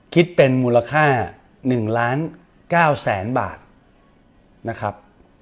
คิดเป็นมูลค่า๑๙๐๐๐๐๐บาทนะครับ